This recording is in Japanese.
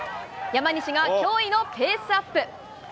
山西が驚異のペースアップ。